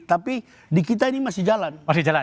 tapi di kita ini masih jalan